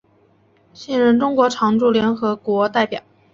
现任中国常驻联合国代表。